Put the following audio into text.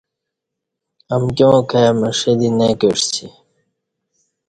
امکیاں کائی مݜہ دی نہ کعسی